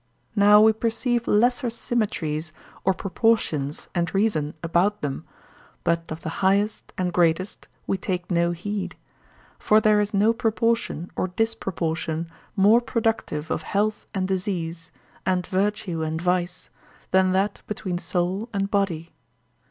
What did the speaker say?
Now we perceive lesser symmetries or proportions and reason about them, but of the highest and greatest we take no heed; for there is no proportion or disproportion more productive of health and disease, and virtue and vice, than that between soul and body.